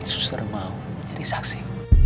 suster mau jadi saksi